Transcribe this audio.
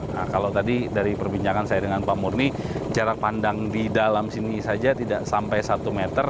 nah kalau tadi dari perbincangan saya dengan pak murni jarak pandang di dalam sini saja tidak sampai satu meter